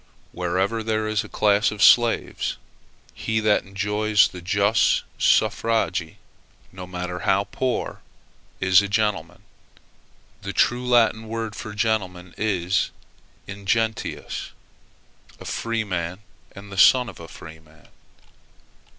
Wherever there is a class of slaves, he that enjoys the jus suffragii (no matter how poor) is a gentleman. The true Latin word for a gentleman is ingentius a freeman and the son of a freeman.